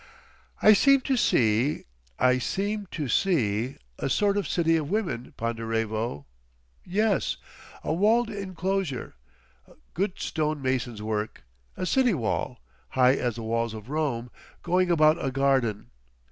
"I seem to see—I seem to see—a sort of City of Women, Ponderevo. Yes.... A walled enclosure—good stone mason's work—a city wall, high as the walls of Rome, going about a garden.